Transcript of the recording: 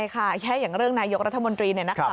แค่อย่างเรื่องนายยกรัฐมนตรีเนี่ยนะครับ